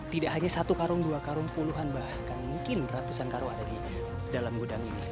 tidak hanya satu karung dua karung puluhan bahkan mungkin ratusan karung ada di dalam gudang ini